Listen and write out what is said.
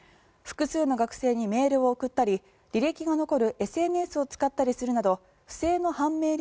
複数の学生にメールを送ったり履歴が残るＳＮＳを使ったりするなど不正の判明